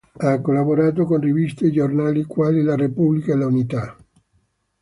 Ha collaborato con riviste e giornali quali La Repubblica e L'Unità.